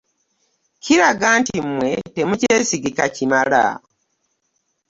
Kiraga nti mmwe temukyesigika kimala.